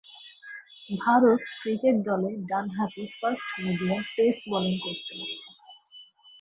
Bharat cricket দলে ডানহাতি fast medium pace bowling করতেন।